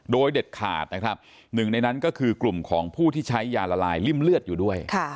โดยเด็ดขาดนะครับหนึ่งในนั้นก็คือกลุ่มของผู้ที่ใช้ยาละลายริ่มเลือดอยู่ด้วย